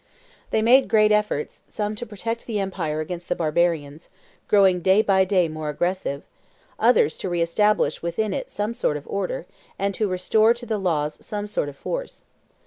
They made great efforts, some to protect the empire against the barbarians, growing day by day more aggressive, others to re establish within it some sort of order, and to restore to the laws some sort of force.